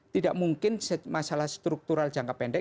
tidak mungkin masalah struktural jangka pendek